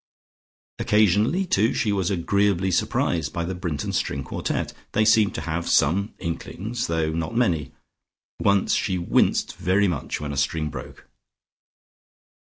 Occasionally, too, she was agreeably surprised by the Brinton string quartet: they seemed to have some inklings, though not many. Once she winced very much when a string broke.